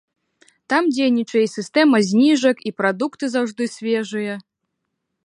Там дзейнічае і сістэма зніжак, і прадукты заўжды свежыя.